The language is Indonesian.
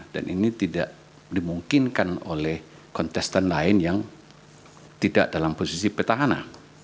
dan ini tidak dimungkinkan oleh kontestan lain yang tidak dalam posisi petahana